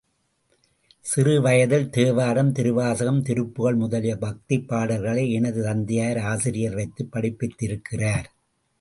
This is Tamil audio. சிறு வயதில் தேவாரம், திருவாசகம், திருப்புகழ் முதலிய பக்திப் பாடல்களை எனது தந்தையார் ஆசிரியர் வைத்து படிப்பித்திருக்கிறார்.